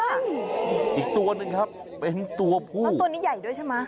อีกตัวหนึ่งครับเป็นตัวผู้แล้วตัวนี้ใหญ่ด้วยใช่ไหม